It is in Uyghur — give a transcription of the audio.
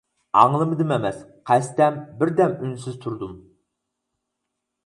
ئاڭلىمىدىم ئەمەس، قەستەن بىردەم ئۈنسىز تۇردۇم.